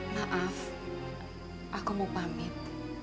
maaf aku mau pamit